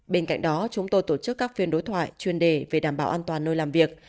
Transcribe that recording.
bên cạnh đó chúng tôi tổ chức các phiên đối thoại chuyên đề về đảm bảo an toàn nơi làm việc